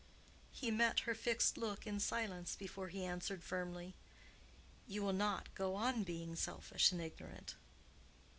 He met her fixed look in silence before he answered firmly—"You will not go on being selfish and ignorant!"